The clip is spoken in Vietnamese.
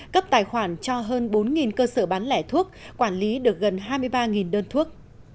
cấp tài khoản cho hơn bốn cơ sở bán lẻ thuốc quản lý được gần hai mươi ba đơn thuốc